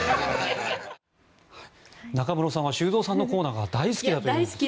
中室さんは修造さんのコーナーが大好きです。